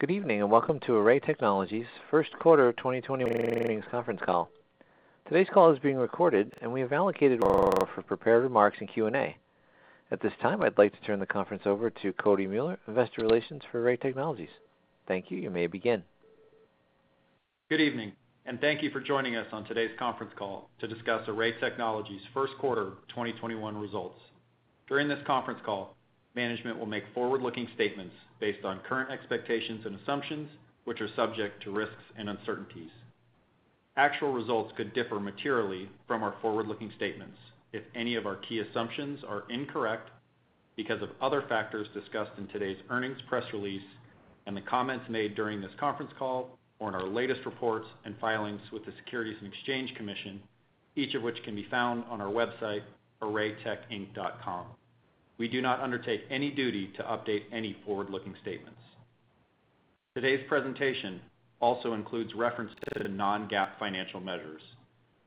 Good evening, and welcome to Array Technologies' First Quarter 2021 Earnings Conference Call. Today's call is being recorded, and we have allocated for prepared remarks and Q&A. At this time, I'd like to turn the conference over to Cody Mueller, Investor Relations for Array Technologies. Thank you. You may begin. Good evening, and thank you for joining us on today's conference call to discuss Array Technologies' First Quarter 2021 Results. During this conference call, management will make forward-looking statements based on current expectations and assumptions, which are subject to risks and uncertainties. Actual results could differ materially from our forward-looking statements if any of our key assumptions are incorrect because of other factors discussed in today's earnings press release and the comments made during this conference call or in our latest reports and filings with the Securities and Exchange Commission, each of which can be found on our website, arraytechinc.com. We do not undertake any duty to update any forward-looking statements. Today's presentation also includes references to non-GAAP financial measures.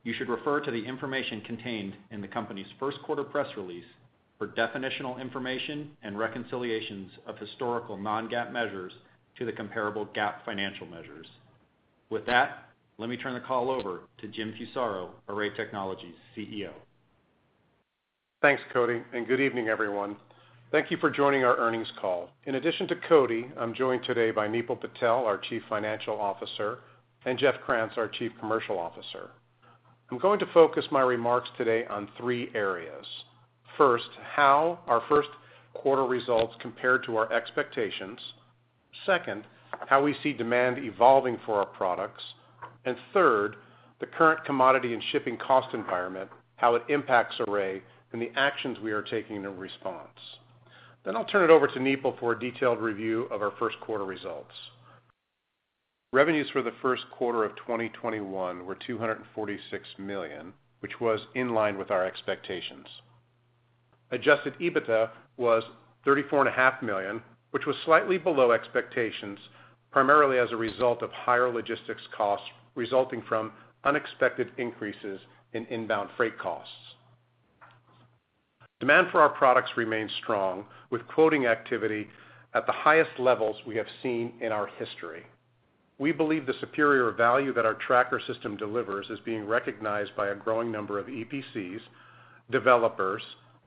You should refer to the information contained in the company's first quarter press release for definitional information and reconciliations of historical non-GAAP measures to the comparable GAAP financial measures. With that, let me turn the call over to Jim Fusaro, Array Technologies' CEO. Thanks, Cody. Good evening, everyone. Thank you for joining our earnings call. In addition to Cody, I'm joined today by Nipul Patel, our Chief Financial Officer, and Jeff Krantz, our Chief Commercial Officer. I'm going to focus my remarks today on three areas. First, how our first quarter results compare to our expectations. Second, how we see demand evolving for our products. Third, the current commodity and shipping cost environment, how it impacts Array, and the actions we are taking in response. I'll turn it over to Nipul for a detailed review of our first quarter results. Revenues for the first quarter of 2021 were $246 million, which was in line with our expectations. Adjusted EBITDA was $34.5 million, which was slightly below expectations, primarily as a result of higher logistics costs resulting from unexpected increases in inbound freight costs. Demand for our products remains strong, with quoting activity at the highest levels we have seen in our history. We believe the superior value that our tracker system delivers is being recognized by a growing number of EPCs, developers,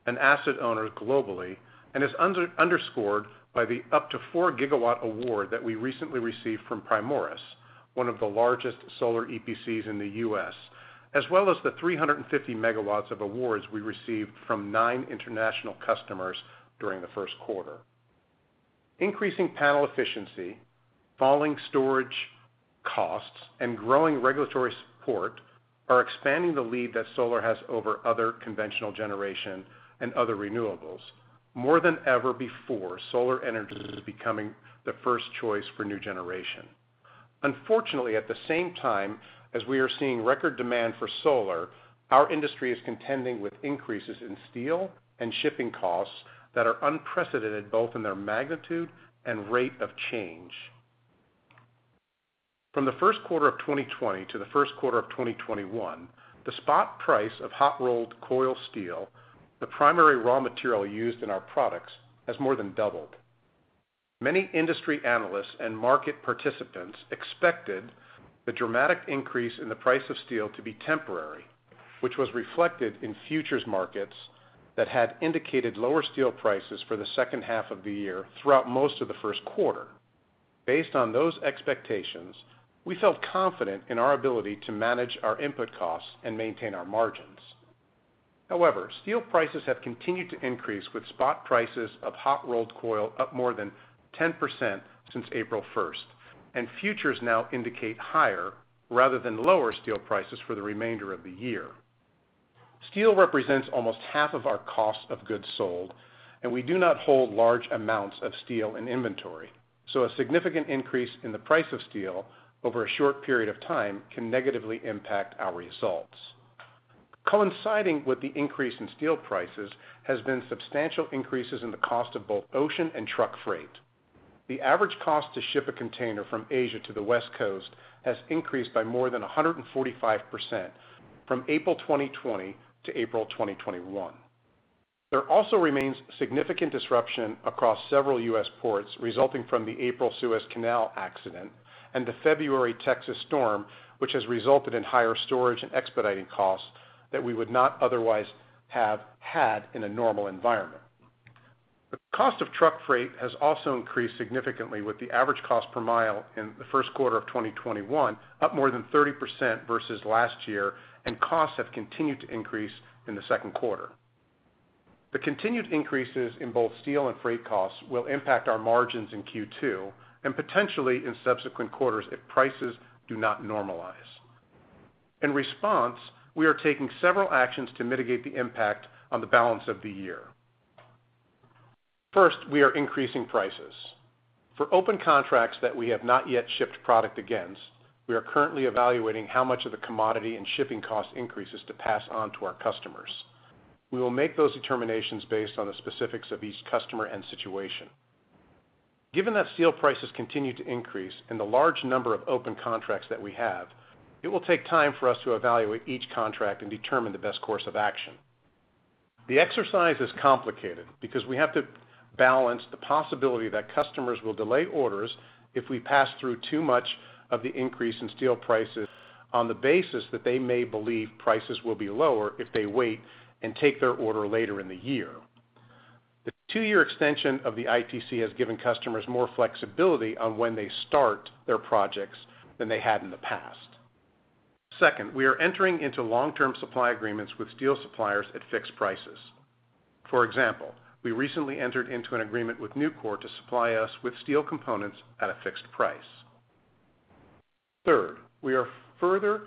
and asset owners globally and is underscored by the up to 4 GW award that we recently received from Primoris, one of the largest solar EPCs in the U.S., as well as the 350 MW of awards we received from nine international customers during the first quarter. Increasing panel efficiency, falling storage costs, and growing regulatory support are expanding the lead that solar has over other conventional generation and other renewables. More than ever before, solar energy is becoming the first choice for new generation. Unfortunately, at the same time as we are seeing record demand for solar, our industry is contending with increases in steel and shipping costs that are unprecedented both in their magnitude and rate of change. From the first quarter of 2020 to the first quarter of 2021, the spot price of hot rolled coil steel, the primary raw material used in our products, has more than doubled. Many industry analysts and market participants expected the dramatic increase in the price of steel to be temporary, which was reflected in futures markets that had indicated lower steel prices for the second half of the year throughout most of the first quarter. Based on those expectations, we felt confident in our ability to manage our input costs and maintain our margins. However, steel prices have continued to increase, with spot prices of hot rolled coil up more than 10% since April 1st, and futures now indicate higher rather than lower steel prices for the remainder of the year. Steel represents almost half of our cost of goods sold, and we do not hold large amounts of steel in inventory, so a significant increase in the price of steel over a short period of time can negatively impact our results. Coinciding with the increase in steel prices has been substantial increases in the cost of both ocean and truck freight. The average cost to ship a container from Asia to the West Coast has increased by more than 145% from April 2020 to April 2021. There also remains significant disruption across several U.S. ports resulting from the April Suez Canal accident and the February Texas storm, which has resulted in higher storage and expediting costs that we would not otherwise have had in a normal environment. The cost of truck freight has also increased significantly, with the average cost per mile in the first quarter of 2021 up more than 30% versus last year, and costs have continued to increase in the second quarter. The continued increases in both steel and freight costs will impact our margins in Q2 and potentially in subsequent quarters if prices do not normalize. In response, we are taking several actions to mitigate the impact on the balance of the year. First, we are increasing prices. For open contracts that we have not yet shipped product against, we are currently evaluating how much of the commodity and shipping cost increases to pass on to our customers. We will make those determinations based on the specifics of each customer and situation. Given that steel prices continue to increase and the large number of open contracts that we have, it will take time for us to evaluate each contract and determine the best course of action. The exercise is complicated because we have to balance the possibility that customers will delay orders if we pass through too much of the increase in steel prices on the basis that they may believe prices will be lower if they wait and take their order later in the year. The two-year extension of the ITC has given customers more flexibility on when they start their projects than they had in the past. We are entering into long-term supply agreements with steel suppliers at fixed prices. For example, we recently entered into an agreement with Nucor to supply us with steel components at a fixed price. We are further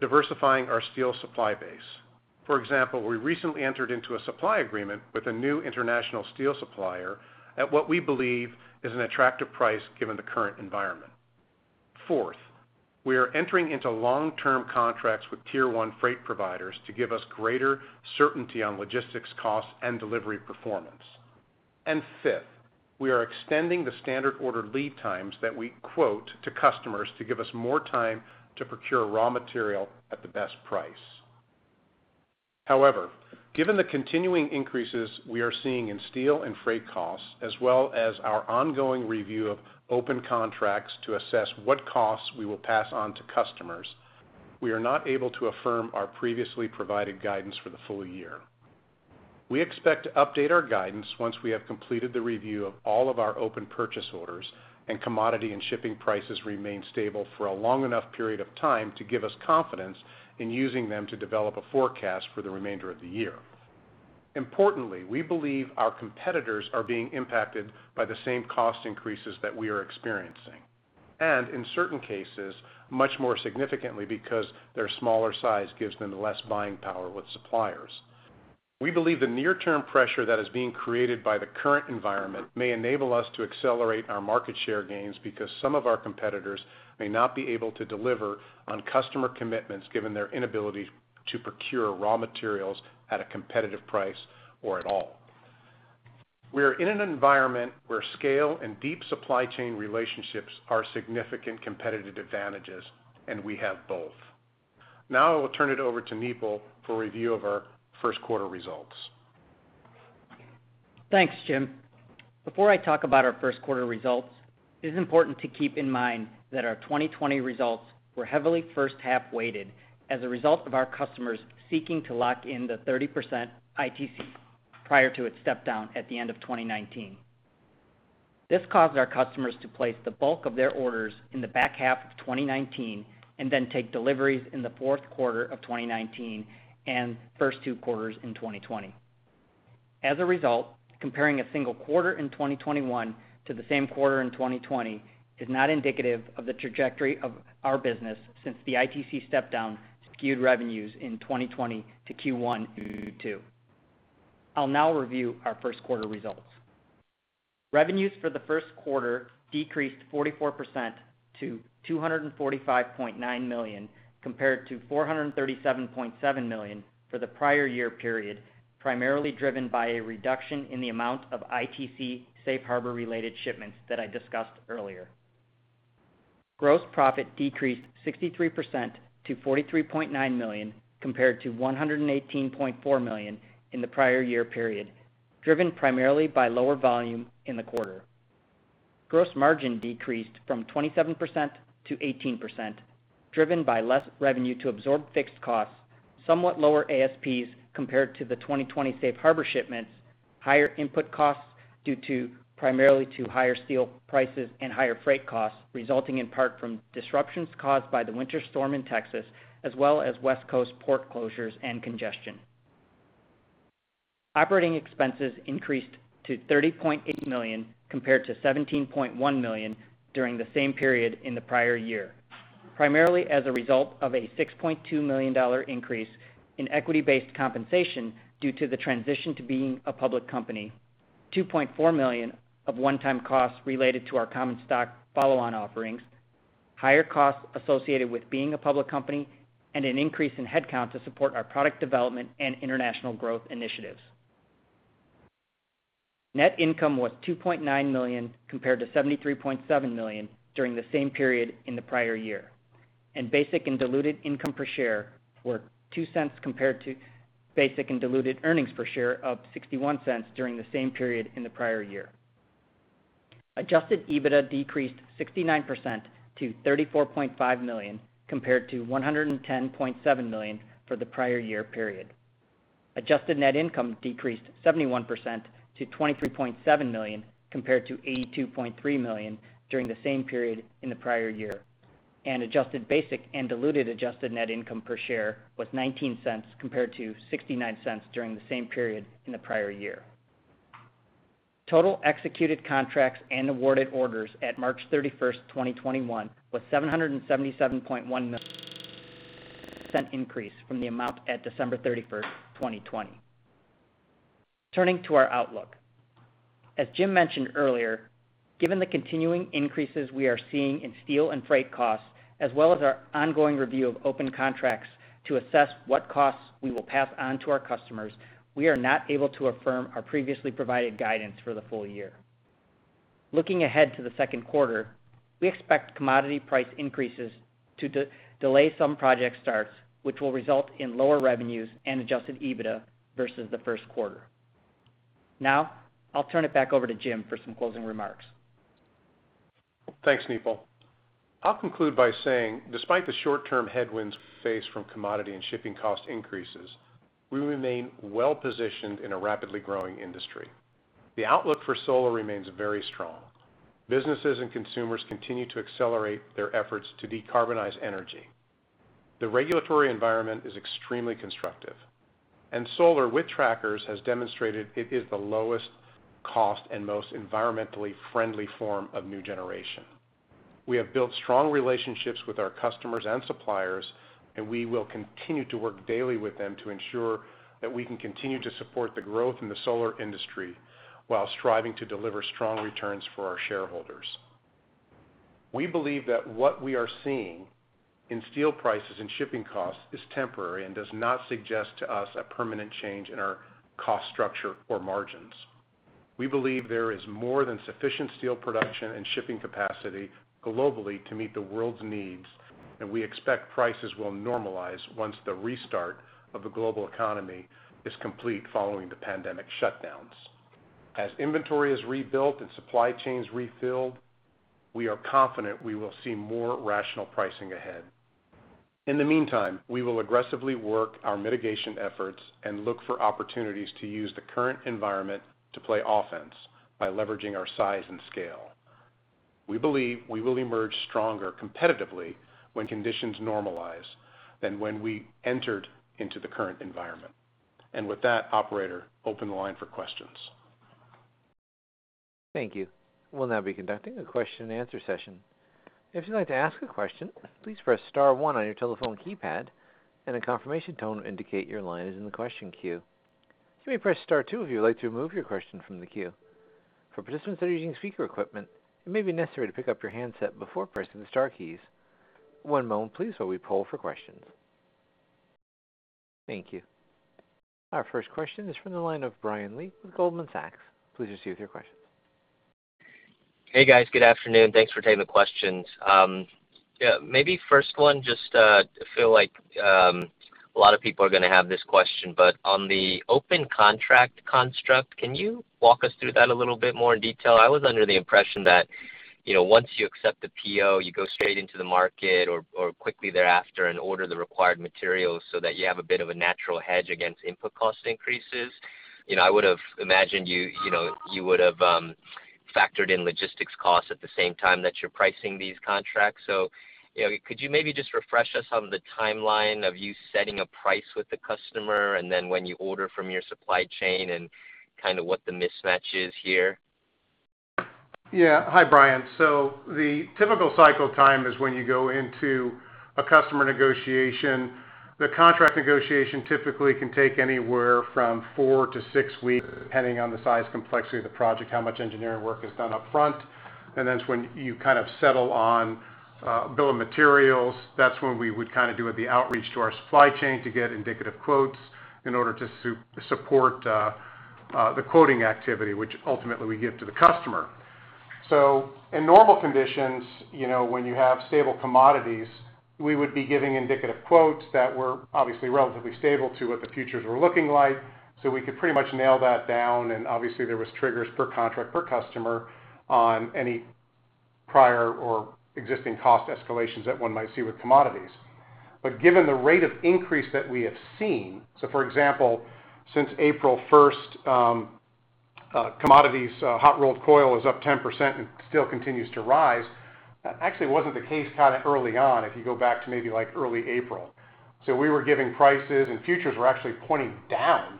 diversifying our steel supply base. For example, we recently entered into a supply agreement with a new international steel supplier at what we believe is an attractive price given the current environment. We are entering into long-term contracts with tier 1 freight providers to give us greater certainty on logistics costs and delivery performance. Fifth, we are extending the standard order lead times that we quote to customers to give us more time to procure raw material at the best price. However, given the continuing increases we are seeing in steel and freight costs, as well as our ongoing review of open contracts to assess what costs we will pass on to customers, we are not able to affirm our previously provided guidance for the full year. We expect to update our guidance once we have completed the review of all of our open purchase orders and commodity and shipping prices remain stable for a long enough period of time to give us confidence in using them to develop a forecast for the remainder of the year. Importantly, we believe our competitors are being impacted by the same cost increases that we are experiencing, and in certain cases, much more significantly because their smaller size gives them less buying power with suppliers. We believe the near-term pressure that is being created by the current environment may enable us to accelerate our market share gains because some of our competitors may not be able to deliver on customer commitments, given their inability to procure raw materials at a competitive price, or at all. We are in an environment where scale and deep supply chain relationships are significant competitive advantages, and we have both. Now I will turn it over to Nipul for review of our first quarter results. Thanks, Jim. Before I talk about our first quarter results, it is important to keep in mind that our 2020 results were heavily first half weighted as a result of our customers seeking to lock in the 30% ITC prior to its step down at the end of 2019. This caused our customers to place the bulk of their orders in the back half of 2019, and then take deliveries in the fourth quarter of 2019 and first two quarters in 2020. As a result, comparing a single quarter in 2021 to the same quarter in 2020 is not indicative of the trajectory of our business since the ITC step down skewed revenues in 2020 to Q1 and Q2. I'll now review our first quarter results. Revenues for the first quarter decreased 44% to $245.9 million, compared to $437.7 million for the prior year period, primarily driven by a reduction in the amount of ITC Safe Harbor related shipments that I discussed earlier. Gross profit decreased 63% to $43.9 million, compared to $118.4 million in the prior year period, driven primarily by lower volume in the quarter. Gross margin decreased from 27% to 18%, driven by less revenue to absorb fixed costs, somewhat lower ASPs compared to the 2020 Safe Harbor shipments, higher input costs due primarily to higher steel prices and higher freight costs, resulting in part from disruptions caused by the winter storm in Texas, as well as West Coast port closures and congestion. Operating expenses increased to $30.8 million, compared to $17.1 million during the same period in the prior year, primarily as a result of a $6.2 million increase in equity-based compensation due to the transition to being a public company, $2.4 million of one-time costs related to our common stock follow-on offerings, higher costs associated with being a public company, and an increase in headcount to support our product development and international growth initiatives. Net income was $2.9 million, compared to $73.7 million during the same period in the prior year, and basic and diluted income per share were $0.02 compared to basic and diluted earnings per share of $0.61 during the same period in the prior year. Adjusted EBITDA decreased 69% to $34.5 million, compared to $110.7 million for the prior year period. Adjusted net income decreased 71% to $23.7 million, compared to $82.3 million during the same period in the prior year. Adjusted basic and diluted adjusted net income per share was $0.19 compared to $0.69 during the same period in the prior year. Total executed contracts and awarded orders at March 31st, 2021 was $777.1 million, a 4% increase from the amount at December 31st, 2020. Turning to our outlook. As Jim mentioned earlier, given the continuing increases we are seeing in steel and freight costs, as well as our ongoing review of open contracts to assess what costs we will pass on to our customers, we are not able to affirm our previously provided guidance for the full year. Looking ahead to the second quarter, we expect commodity price increases to delay some project starts, which will result in lower revenues and adjusted EBITDA versus the first quarter. Now, I'll turn it back over to Jim for some closing remarks. Thanks, Nipul. I'll conclude by saying despite the short-term headwinds we face from commodity and shipping cost increases, we remain well-positioned in a rapidly growing industry. The outlook for solar remains very strong. Businesses and consumers continue to accelerate their efforts to decarbonize energy. The regulatory environment is extremely constructive. Solar with trackers has demonstrated it is the lowest cost and most environmentally friendly form of new generation. We have built strong relationships with our customers and suppliers. We will continue to work daily with them to ensure that we can continue to support the growth in the solar industry while striving to deliver strong returns for our shareholders. We believe that what we are seeing in steel prices and shipping costs is temporary and does not suggest to us a permanent change in our cost structure or margins. We believe there is more than sufficient steel production and shipping capacity globally to meet the world's needs, and we expect prices will normalize once the restart of the global economy is complete following the pandemic shutdowns. As inventory is rebuilt and supply chains refilled, we are confident we will see more rational pricing ahead. In the meantime, we will aggressively work our mitigation efforts and look for opportunities to use the current environment to play offense by leveraging our size and scale. We believe we will emerge stronger competitively when conditions normalize than when we entered into the current environment. With that, operator, open the line for questions. Thank you. We'll now be conducting a question-and answer-session. Thank you. Our first question is from the line of Brian Lee with Goldman Sachs. Please proceed with your question. Hey, guys. Good afternoon. Thanks for taking the questions. Maybe first one, just I feel like a lot of people are going to have this question, but on the open contract construct, can you walk us through that a little bit more in detail? I was under the impression that once you accept the PO, you go straight into the market or quickly thereafter and order the required materials so that you have a bit of a natural hedge against input cost increases. I would've imagined you would've factored in logistics costs at the same time that you're pricing these contracts. Could you maybe just refresh us on the timeline of you setting a price with the customer and then when you order from your supply chain and kind of what the mismatch is here? Hi, Brian. The typical cycle time is when you go into a customer negotiation. The contract negotiation typically can take anywhere from four to six weeks, depending on the size complexity of the project, how much engineering work is done upfront. That's when you kind of settle on a bill of materials. That's when we would kind of do the outreach to our supply chain to get indicative quotes in order to support the quoting activity, which ultimately we give to the customer. In normal conditions, when you have stable commodities, we would be giving indicative quotes that were obviously relatively stable to what the futures were looking like. We could pretty much nail that down, and obviously there was triggers per contract per customer on any prior or existing cost escalations that one might see with commodities. Given the rate of increase that we have seen, for example, since April 1st, commodities hot rolled coil is up 10% and still continues to rise. That actually wasn't the case kind of early on, if you go back to maybe early April. We were giving prices, and futures were actually pointing down.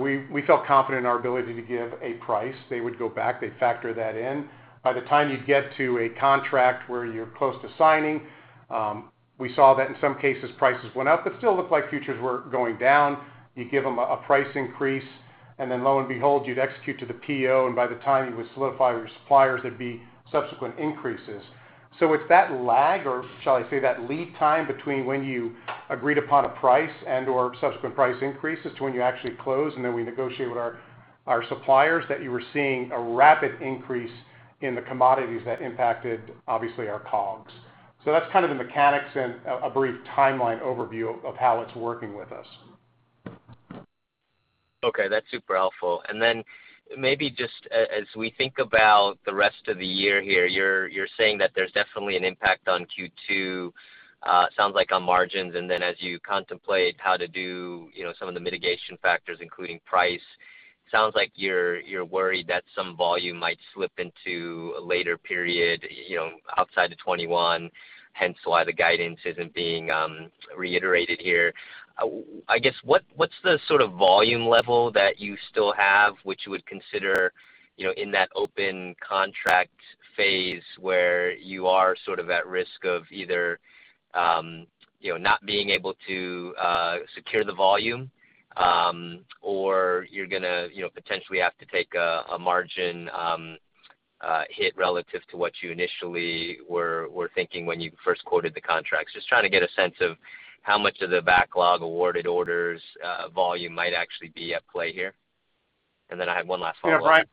We felt confident in our ability to give a price. They would go back, they'd factor that in. By the time you'd get to a contract where you're close to signing, we saw that in some cases prices went up, but still looked like futures were going down. You'd give them a price increase, and then lo and behold, you'd execute to the PO, and by the time you would solidify with your suppliers, there'd be subsequent increases. It's that lag, or shall I say that lead time between when you agreed upon a price and/or subsequent price increases to when you actually close and then we negotiate with our suppliers, that you were seeing a rapid increase in the commodities that impacted, obviously, our COGS. That's kind of the mechanics and a brief timeline overview of how it's working with us. Okay, that's super helpful. Maybe just as we think about the rest of the year here, you're saying that there's definitely an impact on Q2, sounds like on margins. As you contemplate how to do some of the mitigation factors, including price, sounds like you're worried that some volume might slip into a later period outside of 2021, hence why the guidance isn't being reiterated here. I guess, what's the sort of volume level that you still have, which you would consider in that open contract phase where you are sort of at risk of either not being able to secure the volume, or you're going to potentially have to take a margin hit relative to what you initially were thinking when you first quoted the contracts? Just trying to get a sense of how much of the backlog awarded orders volume might actually be at play here. I have one last follow-up.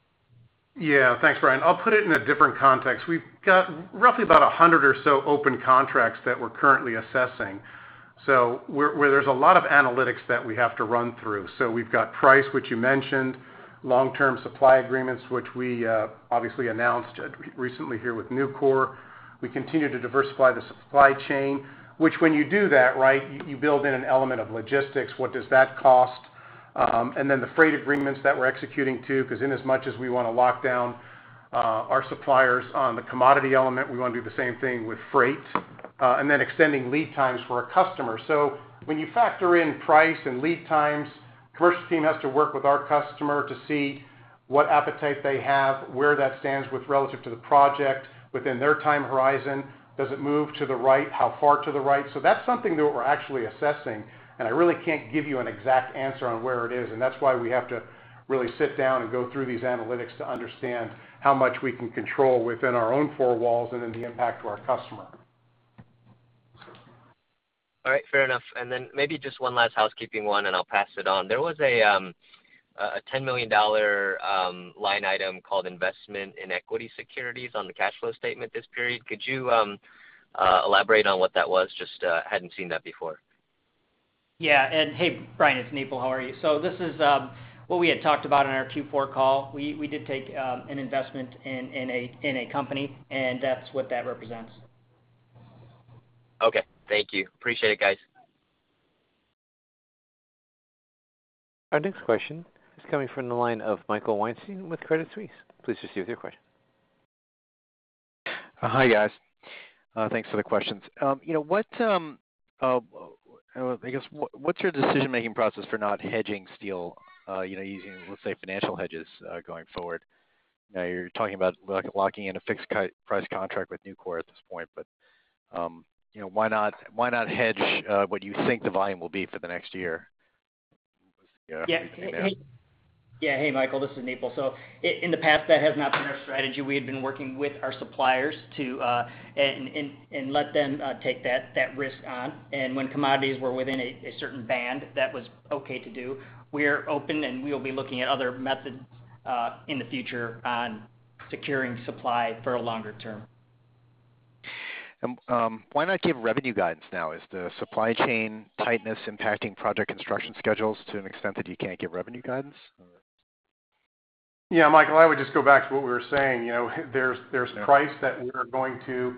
Yeah, thanks, Brian. I'll put it in a different context. We've got roughly about 100 or so open contracts that we're currently assessing, so where there's a lot of analytics that we have to run through. We've got price, which you mentioned, long-term supply agreements, which we obviously announced recently here with Nucor. We continue to diversify the supply chain, which when you do that, you build in an element of logistics. What does that cost? The freight agreements that we're executing too, because in as much as we want to lock down our suppliers on the commodity element, we want to do the same thing with freight. Extending lead times for our customers. When you factor in price and lead times, commercial team has to work with our customer to see what appetite they have, where that stands with relative to the project within their time horizon. Does it move to the right? How far to the right? That's something that we're actually assessing, and I really can't give you an exact answer on where it is. That's why we have to really sit down and go through these analytics to understand how much we can control within our own four walls and then the impact to our customer. All right, fair enough. Then maybe just one last housekeeping one, and I'll pass it on. There was a $10 million line item called investment in equity securities on the cash flow statement this period. Could you elaborate on what that was? Just hadn't seen that before. Yeah. Hey, Brian, it's Nipul. How are you? This is what we had talked about on our Q4 call. We did take an investment in a company, that's what that represents. Okay. Thank you. Appreciate it, guys. Our next question is coming from the line of Michael Weinstein with Credit Suisse. Please proceed with your question. Hi, guys. Thanks for the questions. I guess, what's your decision-making process for not hedging steel, using, let's say, financial hedges, going forward? You're talking about locking in a fixed price contract with Nucor at this point, why not hedge what you think the volume will be for the next year? Hey, Michael, this is Nipul. In the past, that has not been our strategy. We had been working with our suppliers and let them take that risk on. When commodities were within a certain band, that was okay to do. We're open, and we will be looking at other methods, in the future on securing supply for a longer term. Why not give revenue guidance now? Is the supply chain tightness impacting project construction schedules to an extent that you can't give revenue guidance? Michael, I would just go back to what we were saying. There's price that we're going to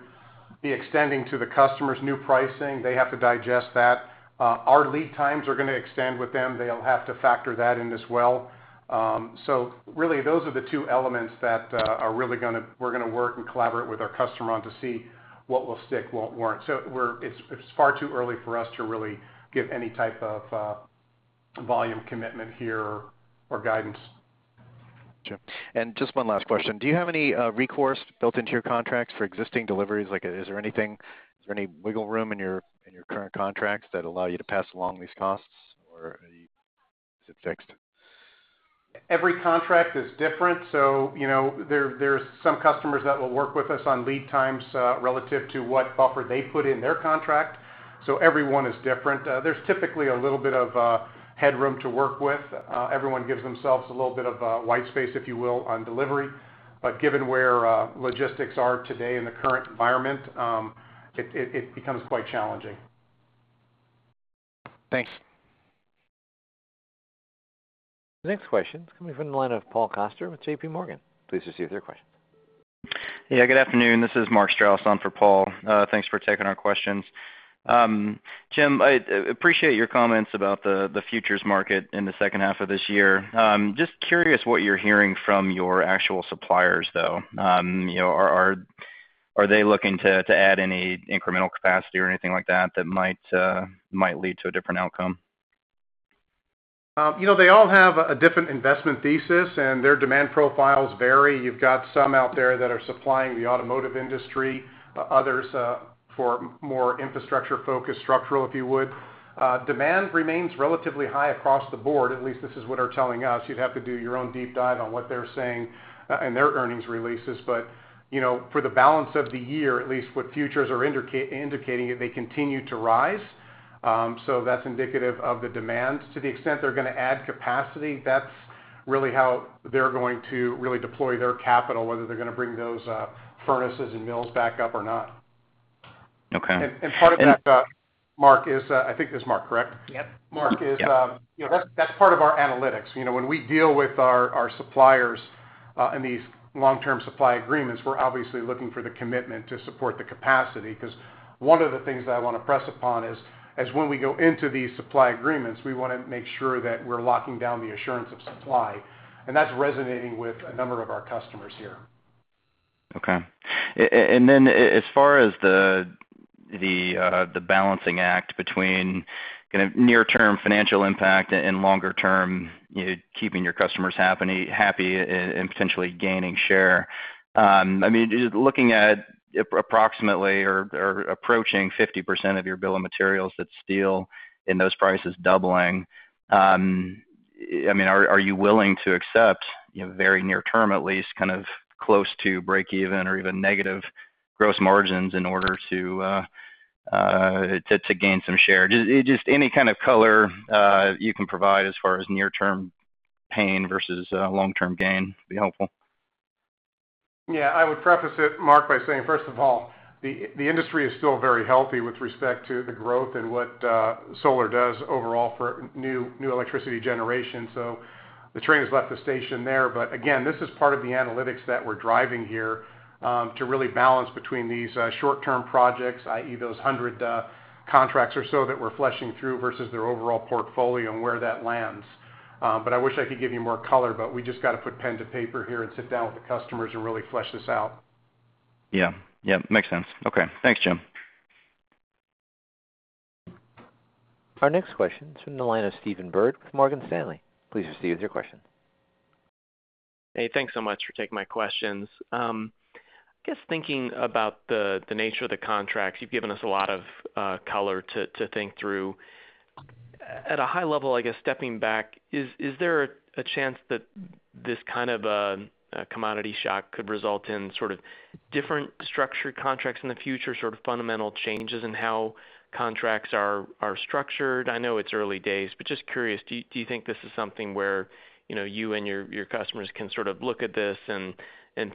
be extending to the customers, new pricing. They have to digest that. Our lead times are going to extend with them. They'll have to factor that in as well. Really, those are the two elements that we're going to work and collaborate with our customer on to see what will stick, won't warrant. It's far too early for us to really give any type of volume commitment here or guidance. Sure. Just one last question. Do you have any recourse built into your contracts for existing deliveries? Is there any wiggle room in your current contracts that allow you to pass along these costs, or are you fixed? Every contract is different, so there's some customers that will work with us on lead times relative to what buffer they put in their contract. Every one is different. There's typically a little bit of headroom to work with. Everyone gives themselves a little bit of white space, if you will, on delivery. Given where logistics are today in the current environment, it becomes quite challenging. Thanks. The next question is coming from the line of Paul Coster with JPMorgan. Please proceed with your question. Yeah, good afternoon. This is Mark Strouse on for Paul. Thanks for taking our questions. Jim, I appreciate your comments about the futures market in the second half of this year. Just curious what you're hearing from your actual suppliers, though. Are they looking to add any incremental capacity or anything like that that might lead to a different outcome? They all have a different investment thesis, and their demand profiles vary. You've got some out there that are supplying the automotive industry, others for more infrastructure-focused structural, if you would. Demand remains relatively high across the board. At least this is what they're telling us. You'd have to do your own deep dive on what they're saying in their earnings releases. For the balance of the year, at least what futures are indicating, they continue to rise. That's indicative of the demand. To the extent they're going to add capacity, that's really how they're going to really deploy their capital, whether they're going to bring those furnaces and mills back up or not. Okay. Part of that, Mark, is I think it's Mark, correct? Yep. Mark, that's part of our analytics. When we deal with our suppliers in these long-term supply agreements, we're obviously looking for the commitment to support the capacity because one of the things that I want to press upon is when we go into these supply agreements, we want to make sure that we're locking down the assurance of supply, and that's resonating with a number of our customers here. Okay. As far as the balancing act between near-term financial impact and longer-term keeping your customers happy and potentially gaining share, looking at approximately or approaching 50% of your bill of materials that's steel and those prices doubling, are you willing to accept very near term at least close to breakeven or even negative gross margins in order to gain some share? Just any kind of color you can provide as far as near-term pain versus long-term gain would be helpful. I would preface it, Mark, by saying, first of all, the industry is still very healthy with respect to the growth and what solar does overall for new electricity generation. The train has left the station there. Again, this is part of the analytics that we're driving here, to really balance between these short-term projects, i.e., those 100 contracts or so that we're fleshing through versus their overall portfolio and where that lands. I wish I could give you more color, but we just got to put pen to paper here and sit down with the customers and really flesh this out. Yeah. Makes sense. Okay. Thanks, Jim. Our next question is from the line of Stephen Byrd with Morgan Stanley. Please proceed with your question. Hey, thanks so much for taking my questions. I guess thinking about the nature of the contracts, you've given us a lot of color to think through. At a high level, I guess stepping back, is there a chance that this kind of a commodity shock could result in sort of different structured contracts in the future, sort of fundamental changes in how contracts are structured? I know it's early days, but just curious, do you think this is something where you and your customers can sort of look at this and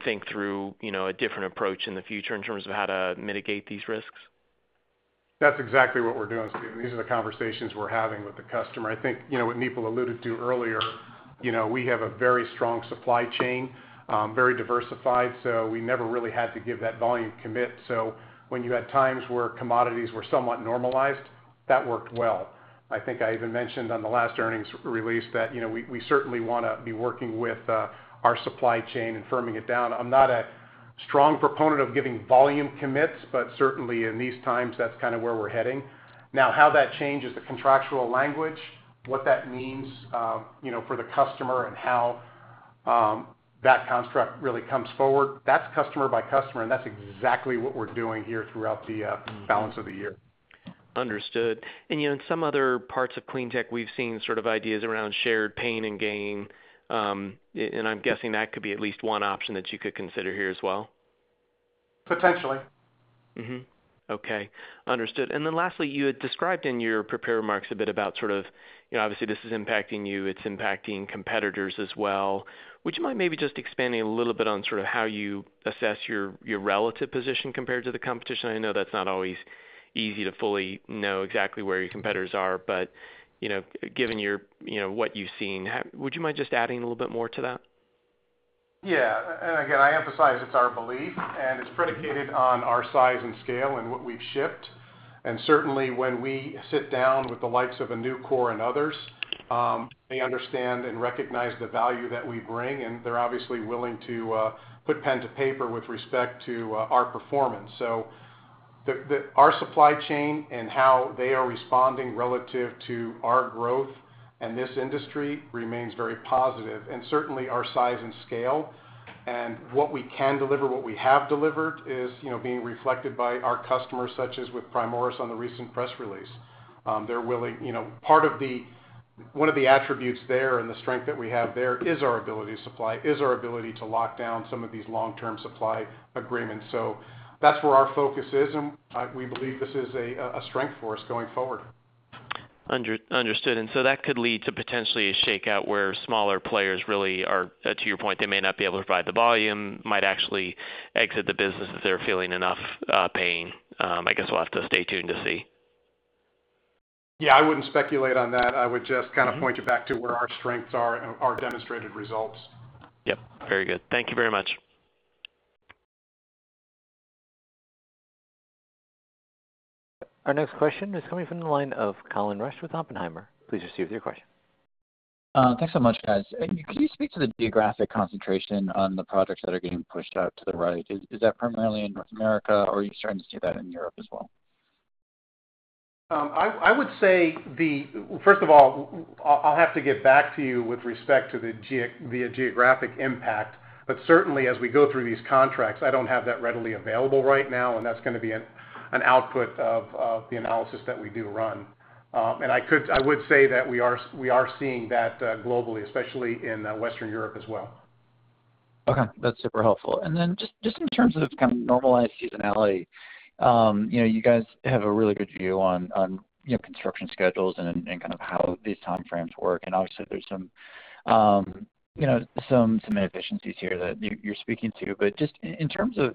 think through a different approach in the future in terms of how to mitigate these risks? That's exactly what we're doing, Stephen. These are the conversations we're having with the customer. I think what Nipul alluded to earlier, we have a very strong supply chain, very diversified, so we never really had to give that volume commit. When you had times where commodities were somewhat normalized, that worked well. I think I even mentioned on the last earnings release that we certainly want to be working with our supply chain and firming it down. I'm not a strong proponent of giving volume commits, but certainly in these times, that's kind of where we're heading. How that changes the contractual language, what that means for the customer and how that construct really comes forward, that's customer by customer, and that's exactly what we're doing here throughout the balance of the year. Understood. In some other parts of Clean Tech, we've seen sort of ideas around shared pain and gain. I'm guessing that could be at least one option that you could consider here as well. Potentially. Okay. Understood. Lastly, you had described in your prepared remarks a bit about sort of obviously this is impacting you, it's impacting competitors as well. Would you mind maybe just expanding a little bit on sort of how you assess your relative position compared to the competition? I know that's not always easy to fully know exactly where your competitors are, but given what you've seen, would you mind just adding a little bit more to that? Again, I emphasize it's our belief, and it's predicated on our size and scale and what we've shipped. Certainly when we sit down with the likes of a Nucor and others, they understand and recognize the value that we bring, and they're obviously willing to put pen to paper with respect to our performance. Our supply chain and how they are responding relative to our growth in this industry remains very positive. Certainly our size and scale and what we can deliver, what we have delivered is being reflected by our customers, such as with Primoris on the recent press release. One of the attributes there and the strength that we have there is our ability to supply, is our ability to lock down some of these long-term supply agreements. That's where our focus is, and we believe this is a strength for us going forward. Understood. That could lead to potentially a shakeout where smaller players really are, to your point, they may not be able to provide the volume, might actually exit the business if they're feeling enough pain. I guess we'll have to stay tuned to see. Yeah, I wouldn't speculate on that. I would just kind of point you back to where our strengths are and our demonstrated results. Yep, very good. Thank you very much. Our next question is coming from the line of Colin Rusch with Oppenheimer. Please proceed with your question. Thanks so much, guys. Could you speak to the geographic concentration on the projects that are getting pushed out to the right? Is that primarily in North America, or are you starting to see that in Europe as well? I would say, first of all, I'll have to get back to you with respect to the geographic impact. Certainly as we go through these contracts, I don't have that readily available right now, and that's going to be an output of the analysis that we do run. I would say that we are seeing that globally, especially in Western Europe as well. Okay. That's super helpful. Just in terms of kind of normalized seasonality, you guys have a really good view on your construction schedules and kind of how these time frames work, and obviously there's some inefficiencies here that you're speaking to. Just in terms of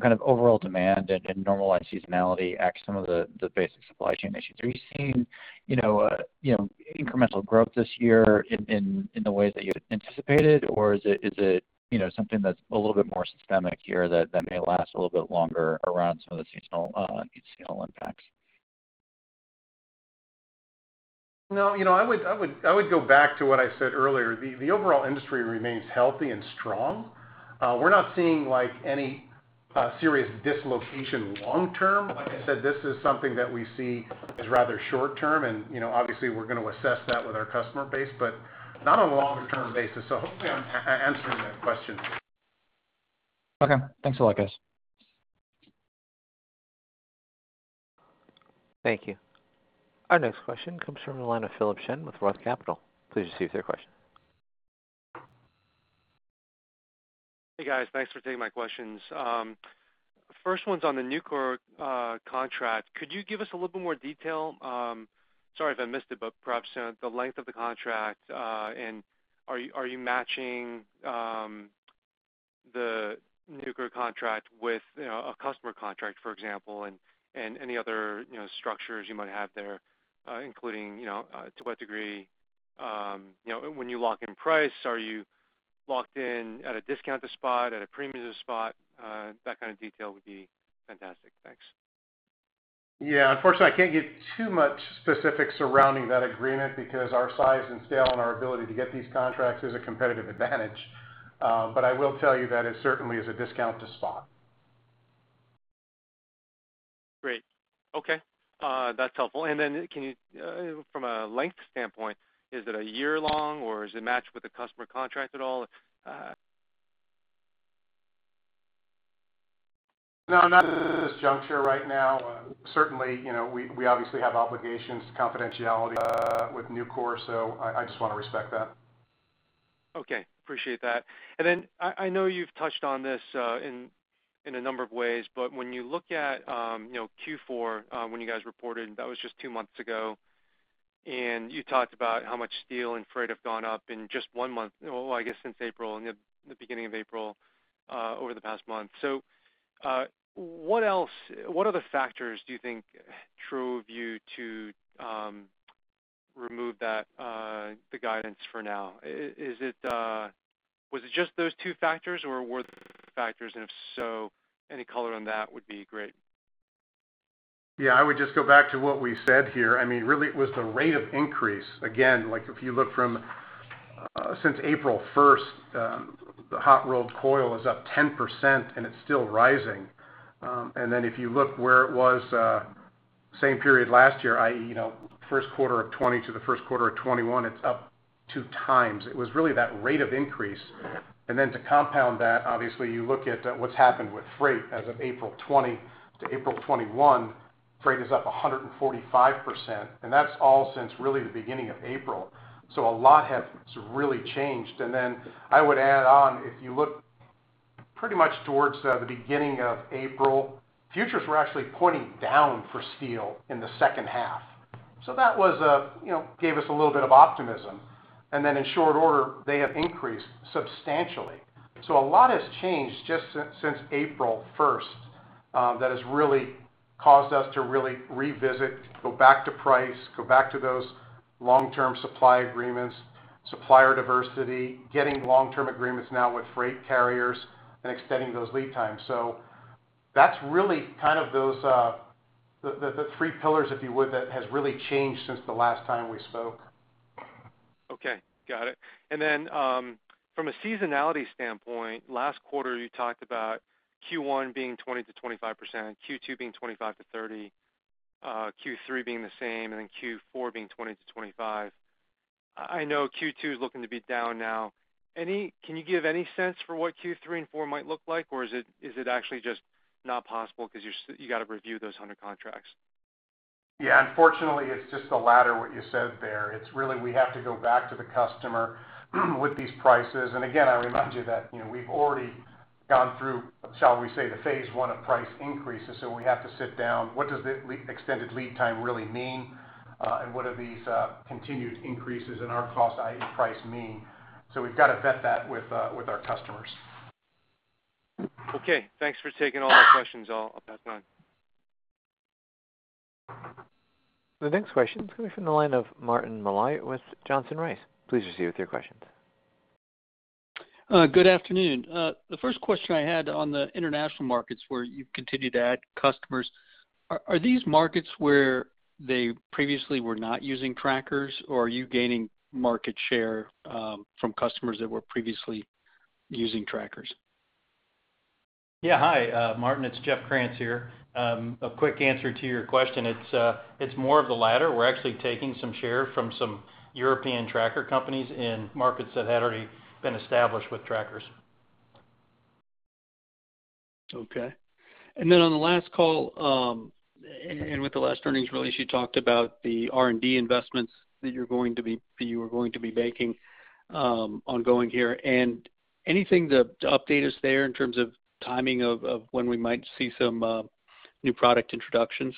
kind of overall demand and normalized seasonality, some of the basic supply chain issues, are you seeing incremental growth this year in the ways that you had anticipated, or is it something that's a little bit more systemic here that may last a little bit longer around some of the seasonal impacts? No. I would go back to what I said earlier. The overall industry remains healthy and strong. We're not seeing any serious dislocation long term. Like I said, this is something that we see as rather short term, and obviously we're going to assess that with our customer base, but not on a longer-term basis. Hopefully I'm answering that question. Okay. Thanks a lot, guys. Thank you. Our next question comes from the line of Philip Shen with ROTH Capital. Please proceed with your question. Hey guys, thanks for taking my questions. First one's on the Nucor contract. Could you give us a little bit more detail? Sorry if I missed it, but perhaps the length of the contract and are you matching the Nucor contract with a customer contract, for example, and any other structures you might have there, including to what degree when you lock in price, are you locked in at a discount to spot, at a premium to spot? That kind of detail would be fantastic. Thanks. Yeah. Unfortunately, I can't give too much specifics surrounding that agreement because our size and scale and our ability to get these contracts is a competitive advantage. I will tell you that it certainly is a discount to spot. Great. Okay. That's helpful. Can you, from a length standpoint, is it a year long or is it matched with a customer contract at all? No, not at this juncture right now. Certainly, we obviously have obligations to confidentiality with Nucor. I just want to respect that. Okay. Appreciate that. Then I know you've touched on this in a number of ways, but when you look at Q4, when you guys reported, that was just two months ago, and you talked about how much steel and freight have gone up in just one month, well, I guess since April, the beginning of April, over the past month. What other factors do you think drove you to remove the guidance for now? Was it just those two factors or were there other factors? If so, any color on that would be great. I would just go back to what we said here. Really it was the rate of increase. Again, if you look from since April 1st, the hot rolled coil is up 10%, and it's still rising. If you look where it was same period last year, i.e., first quarter of 2020 to the first quarter of 2021, it's up two times. To compound that, obviously, you look at what's happened with freight as of April 2020 to April 2021, freight is up 145%, and that's all since really the beginning of April. A lot has really changed. I would add on, if you look pretty much towards the beginning of April, futures were actually pointing down for steel in the second half. That gave us a little bit of optimism. In short order, they have increased substantially. A lot has changed just since April 1st that has really caused us to really revisit, go back to price, go back to those long-term supply agreements, supplier diversity, getting long-term agreements now with freight carriers and extending those lead times. That's really kind of the three pillars, if you would, that has really changed since the last time we spoke. Okay, got it. From a seasonality standpoint, last quarter you talked about Q1 being 20%-25%, Q2 being 25%-30%, Q3 being the same, Q4 being 20%-25%. I know Q2 is looking to be down now. Can you give any sense for what Q3 and four might look like? Is it actually just not possible because you got to review those under contracts? Yeah, unfortunately, it's just the latter, what you said there. It's really we have to go back to the customer with these prices. Again, I remind you that we've already gone through, shall we say, the phase 1 of price increases. We have to sit down, what does the extended lead time really mean? What are these continued increases in our cost, i.e., price mean? We've got to vet that with our customers. Thanks for taking all my questions. I'll pass on. The next question is coming from the line of Martin Malloy with Johnson Rice. Please proceed with your questions. Good afternoon. The first question I had on the international markets where you continue to add customers, are these markets where they previously were not using trackers, or are you gaining market share from customers that were previously using trackers? Yeah. Hi, Martin. It's Jeff Krantz here. A quick answer to your question. It's more of the latter. We're actually taking some share from some European tracker companies in markets that had already been established with trackers. Okay. On the last call, with the last earnings release, you talked about the R&D investments that you are going to be making ongoing here. Anything to update us there in terms of timing of when we might see some new product introductions?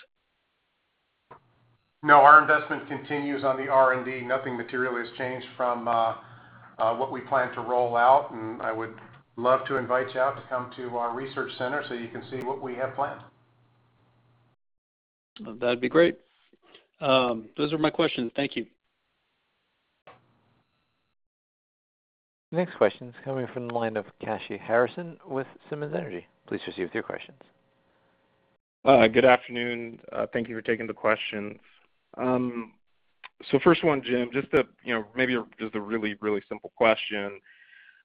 No, our investment continues on the R&D. Nothing material has changed from what we plan to roll out, and I would love to invite you out to come to our research center so you can see what we have planned. That'd be great. Those are my questions. Thank you. Next question is coming from the line of Kashy Harrison with Simmons Energy. Please proceed with your questions. Good afternoon. Thank you for taking the questions. First one, Jim, just maybe just a really, really simple question.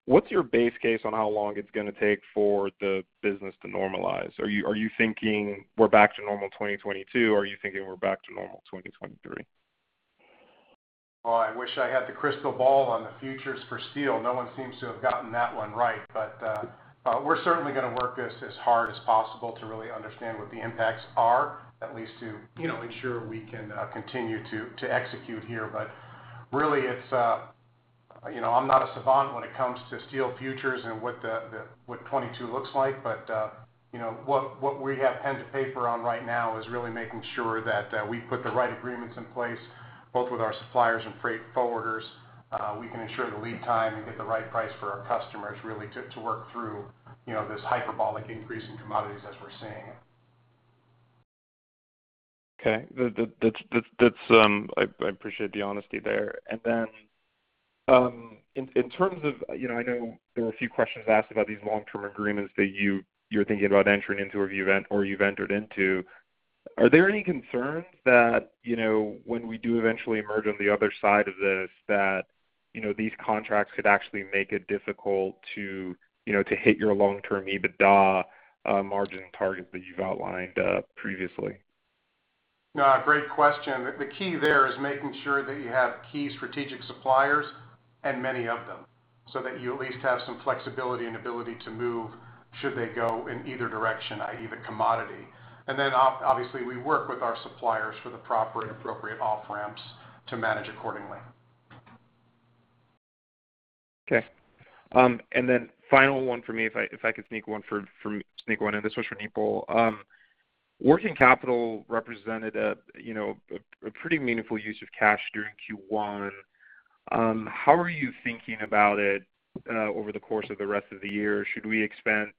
What's your base case on how long it's going to take for the business to normalize? Are you thinking we're back to normal 2022, or are you thinking we're back to normal 2023? Oh, I wish I had the crystal ball on the futures for steel. No one seems to have gotten that one right. We're certainly going to work this as hard as possible to really understand what the impacts are, at least to ensure we can continue to execute here. Really, I'm not a savant when it comes to steel futures and what 2022 looks like. What we have pen to paper on right now is really making sure that we put the right agreements in place, both with our suppliers and freight forwarders. We can ensure the lead time and get the right price for our customers really to work through this hyperbolic increase in commodities as we're seeing. Okay. I appreciate the honesty there. I know there were a few questions asked about these long-term agreements that you're thinking about entering into or you've entered into. Are there any concerns that when we do eventually emerge on the other side of this, that these contracts could actually make it difficult to hit your long-term EBITDA margin target that you've outlined previously? No, great question. The key there is making sure that you have key strategic suppliers and many of them, so that you at least have some flexibility and ability to move should they go in either direction, i.e., the commodity. Obviously, we work with our suppliers for the proper and appropriate off-ramps to manage accordingly. Okay. Final one for me, if I could sneak one in. This was for Nipul. Working capital represented a pretty meaningful use of cash during Q1. How are you thinking about it over the course of the rest of the year? Should we expect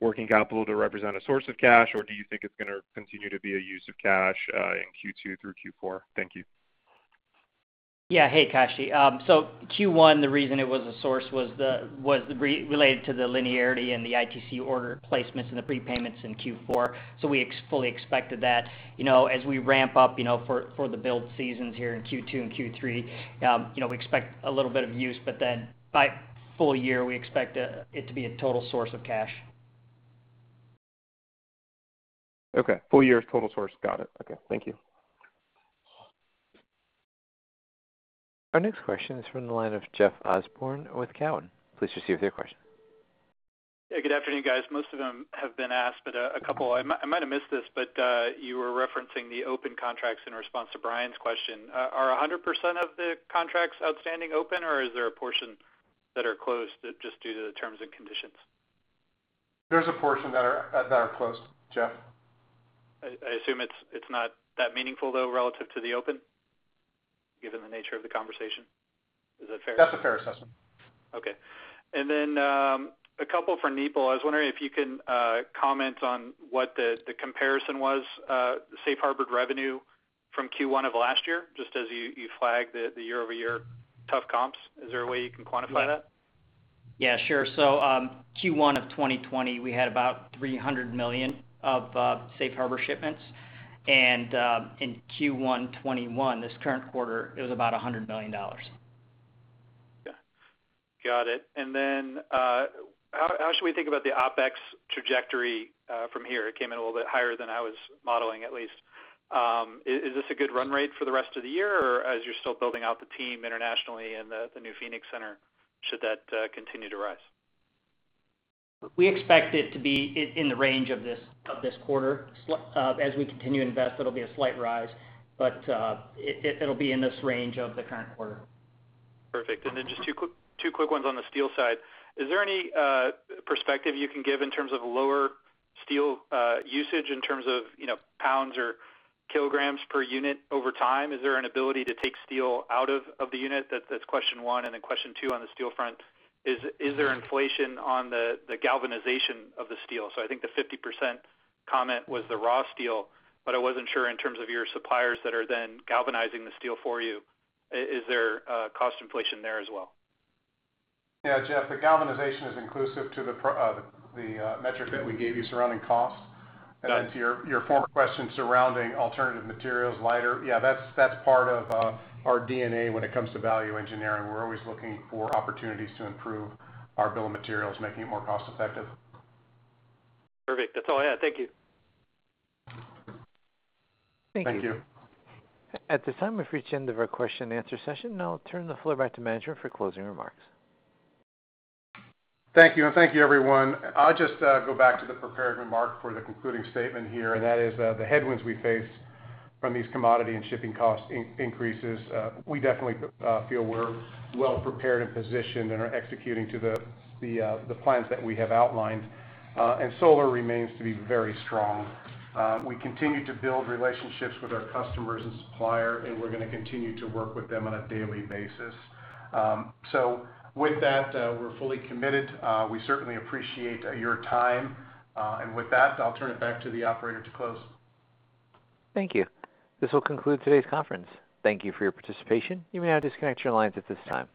working capital to represent a source of cash, or do you think it's going to continue to be a use of cash in Q2 through Q4? Thank you. Yeah. Hey, Kashy. Q1, the reason it was a source was related to the linearity and the ITC order placements and the prepayments in Q4. We fully expected that. As we ramp up for the build seasons here in Q2 and Q3, we expect a little bit of use, but then by full year, we expect it to be a total source of cash. Okay. Full year is total source. Got it. Okay. Thank you. Our next question is from the line of Jeff Osborne with Cowen. Please proceed with your question. Yeah, good afternoon, guys. Most of them have been asked, but a couple. I might have missed this, but you were referencing the open contracts in response to Brian's question. Are 100% of the contracts outstanding open, or is there a portion that are closed just due to the terms and conditions? There's a portion that are closed, Jeff. I assume it's not that meaningful, though, relative to the open, given the nature of the conversation. Is that fair? That's a fair assessment. Okay. A couple for Nipul. I was wondering if you can comment on what the comparison was, Safe Harbor revenue from Q1 of last year, just as you flagged the year-over-year tough comps. Is there a way you can quantify that? Yeah, sure. Q1 of 2020, we had about $300 million of Safe Harbor shipments. In Q1 2021, this current quarter, it was about $100 million. Okay. Got it. How should we think about the OpEx trajectory from here? It came in a little bit higher than I was modeling, at least. Is this a good run rate for the rest of the year, or as you're still building out the team internationally and the new Phoenix center, should that continue to rise? We expect it to be in the range of this quarter. As we continue to invest, it'll be a slight rise. It'll be in this range of the current quarter. Perfect. Just two quick ones on the steel side. Is there any perspective you can give in terms of lower steel usage in terms of pounds or kilograms per unit over time? Is there an ability to take steel out of the unit? That's question one. Question two on the steel front, is there inflation on the galvanization of the steel? I think the 50% comment was the raw steel, but I wasn't sure in terms of your suppliers that are then galvanizing the steel for you. Is there cost inflation there as well? Yeah, Jeff. The galvanization is inclusive to the metric that we gave you surrounding cost. Got it. To your former question surrounding alternative materials, lighter, yeah, that's part of our DNA when it comes to value engineering. We're always looking for opportunities to improve our bill of materials, making it more cost-effective. Perfect. That's all I had. Thank you. Thank you. Thank you. At this time, we've reached the end of our question-and-answer session. Now I'll turn the floor back to management for closing remarks. Thank you, and thank you, everyone. I'll just go back to the prepared remark for the concluding statement here, and that is the headwinds we face from these commodity and shipping cost increases. We definitely feel we're well-prepared and positioned and are executing to the plans that we have outlined. Solar remains to be very strong. We continue to build relationships with our customers and supplier, and we're going to continue to work with them on a daily basis. With that, we're fully committed. We certainly appreciate your time. With that, I'll turn it back to the operator to close. Thank you. This will conclude today's conference. Thank you for your participation. You may now disconnect your lines at this time.